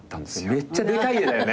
めっちゃでかい家だよね。